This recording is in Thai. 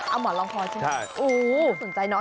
เอามอนรองคลอทรแชะ